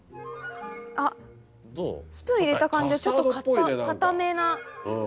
あっスプーン入れた感じはちょっと硬めな感じで。